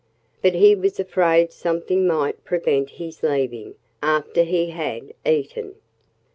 But he was afraid something might prevent his leaving after he had eaten.